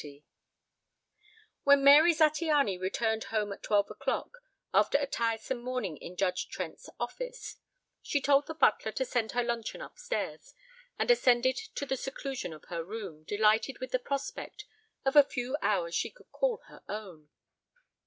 XL When Mary Zattiany returned home at twelve o'clock after a tiresome morning in Judge Trent's office she told the butler to send her luncheon upstairs, and ascended to the seclusion of her room, delighted with the prospect of a few hours she could call her own.